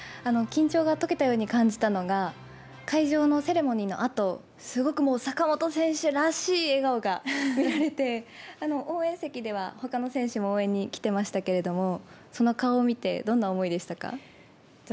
緊張が解けたように感じたのが会場のセレモニーのあとすごく坂本選手らしい笑顔が見られて応援席では、ほかの選手も応援に来てましたけれどもその顔を見てどんな思いでしたか？